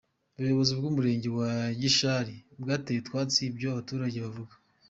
Ubuyobozi bw’umurenge wa Gishari bwateye utwatsi ibyo abaturage bavuga.